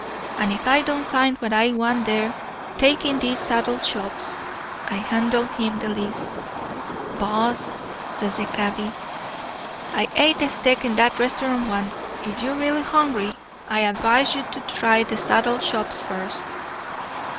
'And if I don't find what I want there, take in these saddle shops.' I handed him the list. "'Boss,' says the cabby, 'I et a steak in that restaurant once. If you're real hungry, I advise you to try the saddle shops first.